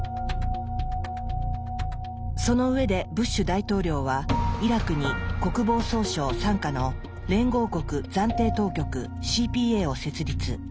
その上でブッシュ大統領はイラクに国防総省傘下の連合国暫定当局ＣＰＡを設立。